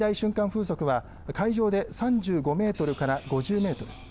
風速は海上で３５メートルから５０メートル